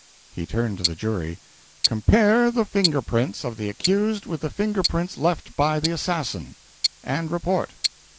He turned to the jury: "Compare the finger prints of the accused with the finger prints left by the assassin and report."